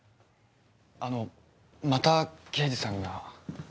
あのまた刑事さんが。